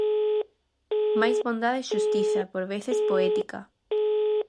Máis bondade é xustiza, por veces poética.